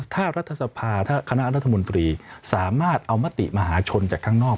ถ้ารัฐสภาถ้าคณะรัฐมนตรีสามารถเอามติมหาชนจากข้างนอก